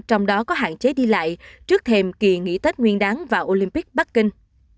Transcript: trong đó có hạn chế đi lại trước thêm kỳ nghỉ tết nguyên đáng và olympic bắc kinh